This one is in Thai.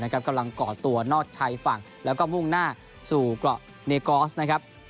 กำลังก่อตัวนอกชายฝั่งแล้วก็มุ่งหน้าสู่เกาะเนกอสนะครับ